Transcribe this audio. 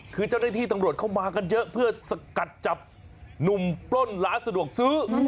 คือเขามากันเยอะเพื่อจะกัดจับหนุ่มปล้นหลาสะดวกซื้อ